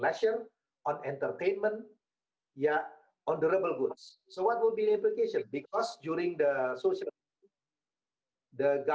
masih sangat sulit untuk mendapatkan penyelamatannya sepenuhnya saya bisa melihat